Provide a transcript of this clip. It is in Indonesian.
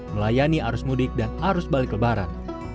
melayani arus mudik dan arus balik lebaran